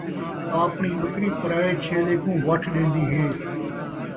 آپݨی ٻکری پرائے چھیلے کوں وَٹھ ݙیندی ہے